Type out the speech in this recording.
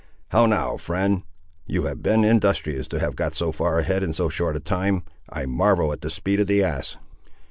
How now, friend; you have been industrious to have got so far ahead in so short a time. I marvel at the speed of the ass!"